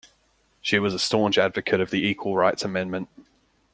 She was a staunch advocate of the Equal Rights Amendment.